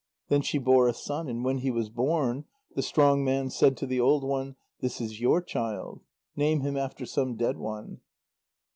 Then she bore a son, and when he was born, the strong man said to the old one: "This is your child; name him after some dead one."